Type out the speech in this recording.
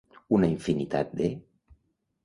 Una infinitat de.